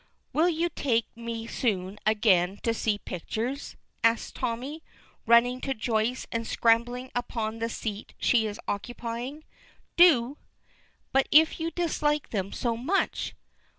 "Will you take me soon again to see pictures?" asks Tommy, running to Joyce and scrambling upon the seat she is occupying. "Do!" "But if you dislike them so much."